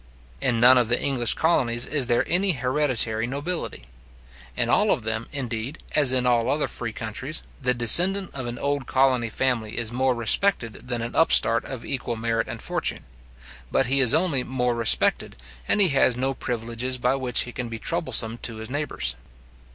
In none of the English colonies is there any hereditary nobility. In all of them, indeed, as in all other free countries, the descendant of an old colony family is more respected than an upstart of equal merit and fortune; but he is only more respected, and he has no privileges by which he can be troublesome to his neighbours.